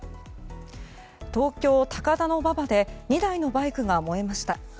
東京・高田馬場で２台のバイクが燃えました。